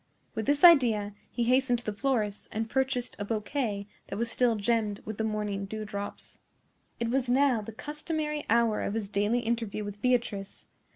With this idea he hastened to the florist's and purchased a bouquet that was still gemmed with the morning dew drops. It was now the customary hour of his daily interview with Beatrice.